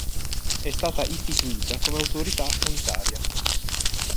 È stata istituita come autorità unitaria.